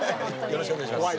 よろしくお願いします。